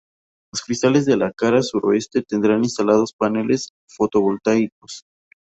Los cristales de la cara suroeste tendrán instalados paneles fotovoltaicos.